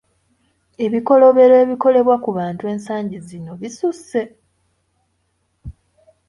Ebikolobero ebikolebwa ku bantu ensangi zino bisusse.